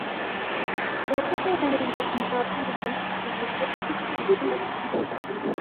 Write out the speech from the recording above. thelathini na mbili ingawa hali halisi ilikuwa nchi lindwa chini ya